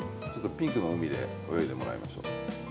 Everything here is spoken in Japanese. ピンクの海で泳いでもらいましょう。